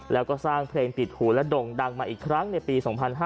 แล้วก็สร้างเพลงปิดหูและด่งดังมาอีกครั้งในปี๒๕๕๙